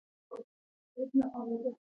ننګرهار د افغانستان د طبعي سیسټم توازن ساتي.